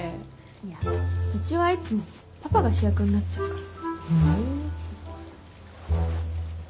いやうちはいつもパパが主役になっちゃうから。